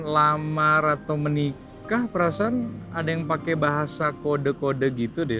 lamar atau menikah perasaan ada yang pakai bahasa kode kode gitu deh